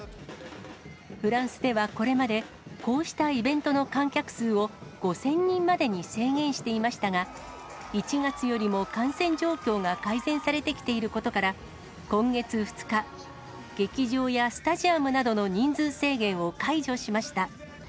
フランスではこれまで、こうしたイベントの観客数を５０００人までに制限していましたが、１月よりも感染状況が改善されてきていることから、今月２日、劇場やスタジアムなどの人数制限を解除しました。